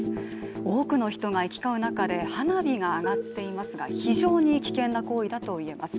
多くの人が行き交う中で花火が上がっていますが、非常に危険な行為だといえます。